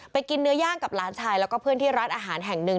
กินเนื้อย่างกับหลานชายแล้วก็เพื่อนที่ร้านอาหารแห่งหนึ่ง